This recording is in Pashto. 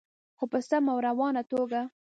خو په سمه او روانه توګه.